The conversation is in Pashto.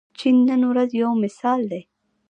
چین نن ورځ یو مثال دی.